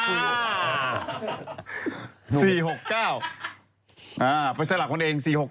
นี่มีปรากฎการนึงเนี่ย